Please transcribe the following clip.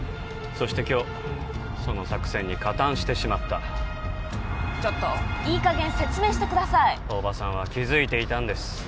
そして今日その作戦に加担してしまったちょっといい加減説明してください大庭さんは気づいていたんです